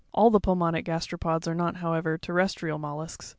All the pulmonic gasteropods are not however terrestrial mol lusks.